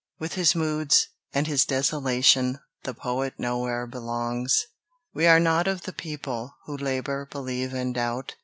With his moods, and his desolation The poet nowhere belongs. We are not of the people Who labour, believe, and doubt.